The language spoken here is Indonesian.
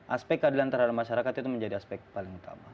aspek keadilan terhadap masyarakat itu menjadi aspek paling utama